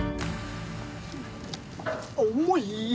重い！